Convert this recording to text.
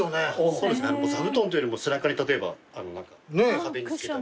そうですね座布団というよりも背中に壁につけたり。